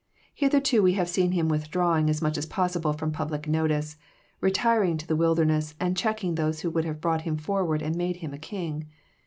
Hitherto we have seen Him withdrawing as much as possible from public notice, retiring into the wilderness, and checking those who would have brought Him forward and made Him a king.